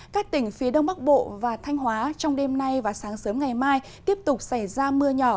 các tỉnh phía đông bắc bộ và thanh hóa trong đêm nay và sáng sớm ngày mai tiếp tục xảy ra mưa nhỏ